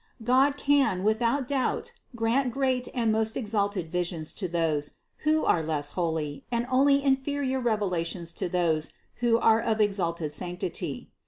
God can without doubt grant great and the most exalted visions to those, who are less holy, and only inferior revelations to those, who are of exalted sanctity.